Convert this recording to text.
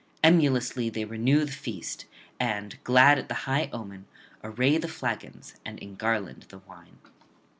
Emulously they renew the feast, and, glad at the high omen, array the flagons and engarland the wine.